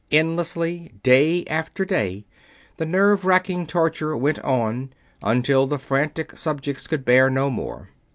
Endlessly, day after day, the nerve wracking torture went on, until the frantic subjects could bear no more.